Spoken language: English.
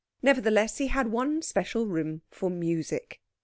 Nevertheless, he had one special room for music.